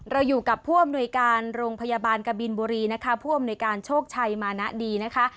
เราอยู่กับผู้อำนวยการโรงพยาบาลกบินบุรีนะคะผู้อำนวยการโชคชัยมานะดีนะคะ